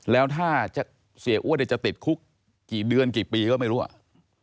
แล้วถ้าเสียอ้วนจะติดคุกกี่เดือนกี่ปีก็ไม่รู้อ่ะ